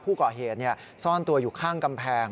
ผู้ก่อเหตุซ่อนตัวอยู่ข้างกำแพง